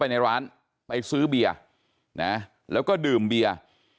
ในร้านไปซื้อเบียร์นะแล้วก็ดื่มเบียร์